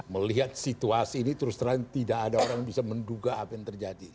melihat situasi ini terus terang tidak ada orang bisa menduga apa yang terjadi